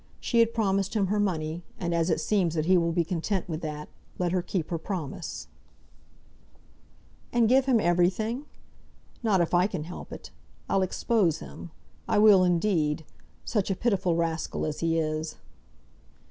She had promised him her money, and as it seems that he will be content with that, let her keep her promise." "And give him everything! Not if I can help it. I'll expose him. I will indeed. Such a pitiful rascal as he is!"